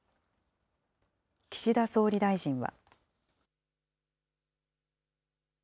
岸田総理大臣は。